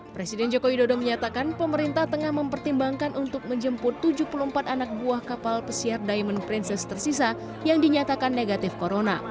presiden joko widodo menyatakan pemerintah tengah mempertimbangkan untuk menjemput tujuh puluh empat anak buah kapal pesiar diamond princess tersisa yang dinyatakan negatif corona